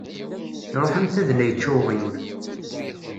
Iṛuḥ am tadla yečča uɣyul.